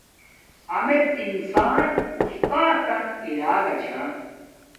ہمیڎ انسان اُستاتن اراگا چھا